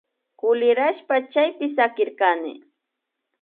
Kulirashpa chaypi sakirkani